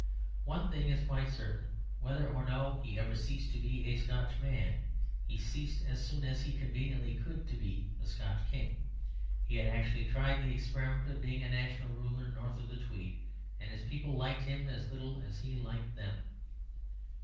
One thing is quite certain: whether or no he ever ceased to be a Scotch man, he ceased as soon as he conveniently could to be a Scotch King. He had actually tried the experiment of being a national ruler north of the Tweed, and his people liked him as little as he liked them.